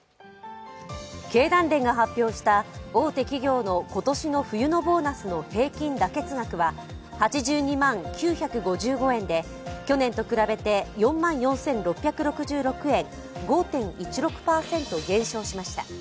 経団連が発表した大手起業の今年の冬のボーナスの平均妥結額は８２万９５５円で去年と比べて４万４６６６円、５．１６％減少しました。